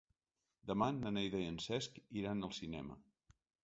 Demà na Neida i en Cesc iran al cinema.